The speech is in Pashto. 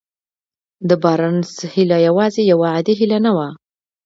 د بارنس هيله يوازې يوه عادي هيله نه وه.